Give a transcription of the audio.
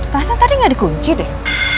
rasa tadi gak dikunci deh